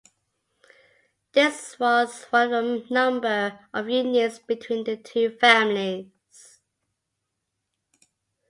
This was one of a number of unions between the two families.